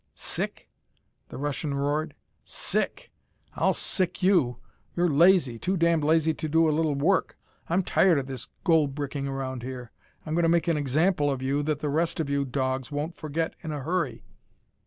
"Sick?" the Russian roared. "Sick? I'll sick you! You're lazy, too damned lazy to do a little work. I'm tired of this gold bricking around here. I'm going to make an example of you that the rest of you dogs won't forget in a hurry."